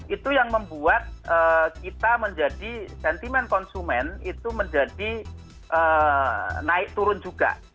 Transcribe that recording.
itu yang membuat kita menjadi sentimen konsumen itu menjadi naik turun juga